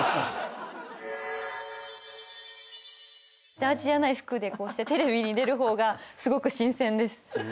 ジャージーじゃない服でこうしてテレビに出る方がすごく新鮮です。